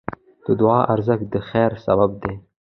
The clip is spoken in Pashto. د دعا ارزښت د خیر سبب دی.